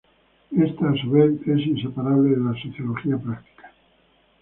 Ésta a su vez es inseparable de la sociología práctica.